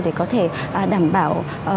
để có thể đảm bảo